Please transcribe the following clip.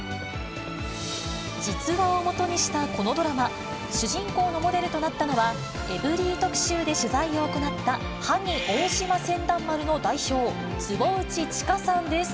実話を基にしたこのドラマ、主人公のモデルとなったのは、エブリィ特集で取材を行った、萩大島船団丸の代表、坪内知佳さんです。